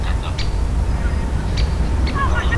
روغتیا د ورځنیو عادتونو پایله ده.